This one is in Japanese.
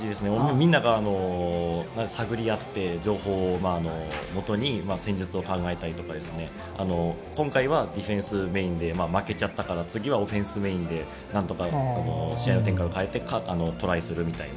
みんなが探り合った情報をもとに戦術を考えたりとか今回はディフェンスメインで負けちゃったから次はオフェンスメインで何とか試合の展開を変えてトライするみたいな。